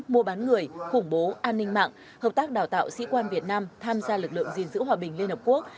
mua bán người khủng bố an ninh mạng hợp tác đào tạo sĩ quan việt nam tham gia lực lượng gìn giữ hòa bình liên hợp quốc